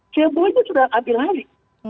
sebuahnya sudah ambil hari